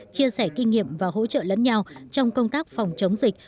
chia sẻ kinh nghiệm và hỗ trợ lẫn nhau trong công tác phòng chống dịch